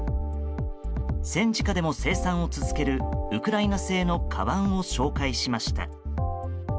戦時下でも生産を続けるウクライナ製のかばんを紹介しました。